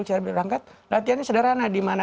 kita berangkat latihannya sederhana di mana